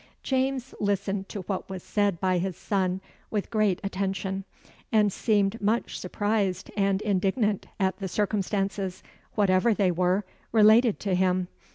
James listened to what was said by his son with great attention, and seemed much surprised and indignant at the circumstances, whatever they were, related to him.